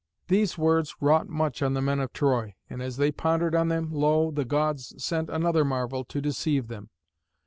'" These words wrought much on the men of Troy, and as they pondered on them, lo! the Gods sent another marvel to deceive them.